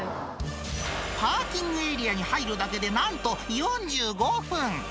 パーキングエリアに入るだけで、なんと４５分。